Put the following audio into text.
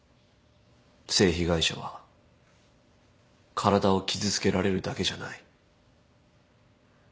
性被害者は体を傷つけられるだけじゃない。